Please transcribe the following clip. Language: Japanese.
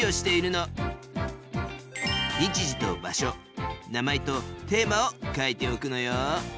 日時と場所名前とテーマを書いておくのよ。